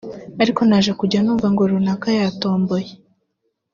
ariko naje kujya nunva ngo runaka yatomboye